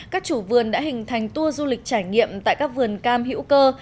các chủ vườn đã hình thành tour du lịch trải nghiệm tại các vườn cam hữu cơ